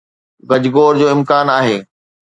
گجگوڙ جو امڪان آهي